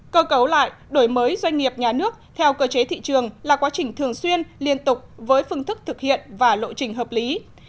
cơ cấu lại đổi mới doanh nghiệp nhà nước theo cơ chế thị trường là quá trình thường xuyên liên tục với phương thức thực hiện và lộ trình hợp lý